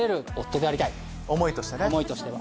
思いとしては。